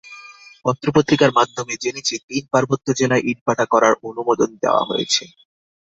পত্রপত্রিকার মাধ্যমে জেনেছি, তিন পার্বত্য জেলায় ইটভাটা করার অনুমোদন দেওয়া হয়েছে।